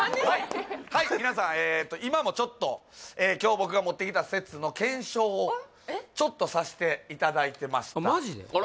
はい皆さんえっと今もちょっと今日僕が持ってきた説の検証をちょっとさせていただいてましたマジで？